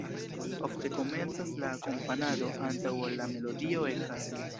Ofte komencas la akompanado, antaŭ ol la melodio ekas.